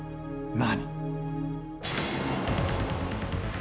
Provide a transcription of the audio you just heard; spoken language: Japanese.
何？